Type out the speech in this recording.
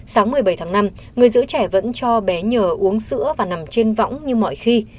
sáng một mươi bảy tháng năm người giữ trẻ vẫn cho bé nhờ uống sữa và nằm trên võng như mọi khi